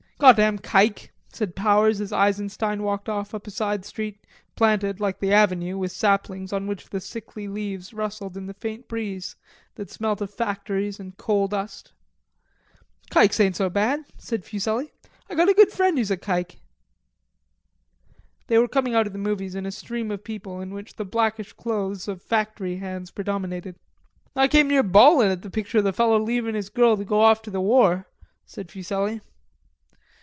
"Goddam kike!" said Powers as Eisenstein walked off up a side street, planted, like the avenue, with saplings on which the sickly leaves rustled in the faint breeze that smelt of factories and coal dust. "Kikes ain't so bad," said Fuselli, "I got a good friend who's a kike." They were coming out of the movies in a stream of people in which the blackish clothes of factory hands predominated. "I came near bawlin' at the picture of the feller leavin' his girl to go off to the war," said Fuselli.